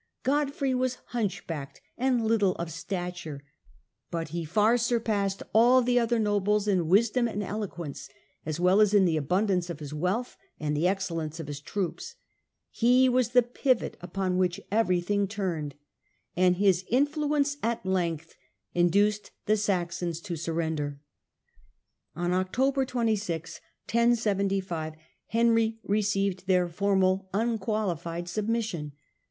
Godfrey was Gerstungen hunchbacked and little of stature, but he far surpassed all the other nobles in wisdom and eloquence, as well as in the abundance of his wealbh and the ex cellence of his troops. He was the pivot upon which everything turned, and his influence at length induced the Saxons to surrender. On October 26, 1075, Henry received their formal unqualified submission.